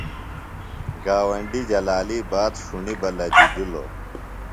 گاونڈیۡ جلالی بات ݜُݨیۡ بہ لجِجلوۡ۔